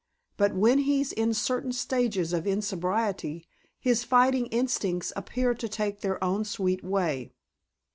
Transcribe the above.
But when he's in certain stages of insobriety his fighting instincts appear to take their own sweet way.